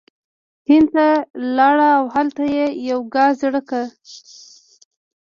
هند ته لاړ او هلته یی یوګا زړه کړه